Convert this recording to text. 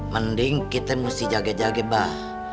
mending kita mesti jaga jaga